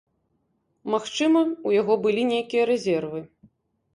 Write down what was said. Магчыма, у яго былі нейкія рэзервы.